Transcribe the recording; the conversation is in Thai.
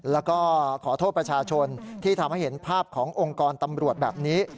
แล้วก็ขอโทษประชาชนที่ทำให้เห็นภาพขององค์กรตำรวจแบบนี้